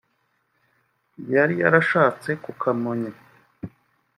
yari yarashatse ku Kamonyi